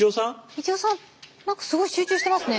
一葉さん何かすごい集中してますね。